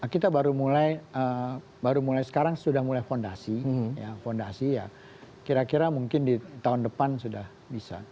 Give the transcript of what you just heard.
kita baru mulai sekarang sudah mulai fondasi ya fondasi ya kira kira mungkin di tahun depan sudah bisa